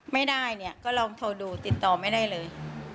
ไม่ได้เนี่ยก็ลองโทรดูติดต่อไม่ได้เลย